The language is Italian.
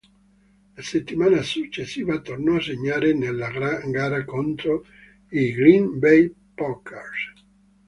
La settimana successiva tornò a segnare nella gara contro i Green Bay Packers.